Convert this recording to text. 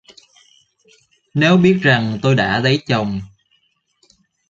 Nếu biết rằng tôi đã lấy chồng